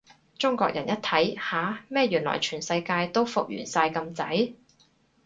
中國人一睇，吓？乜原來全世界都復原晒咁滯？